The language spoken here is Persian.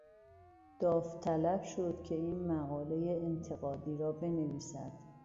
داوطلب شد که این مقالهٔ انتقادی را بنویسد.